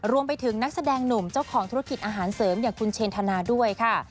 รวมไปถึงนักแสดงหนุ่มเจ้าของธุรกิจอาหารเสริมอย่างคุณเชนธนาด้วยค่ะ